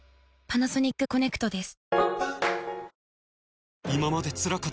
パナソニックコネクトです。